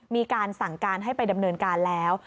มีการสั่งการให้ไปดำเนินการแล้ว